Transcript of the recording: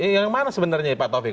yang mana sebenarnya pak taufik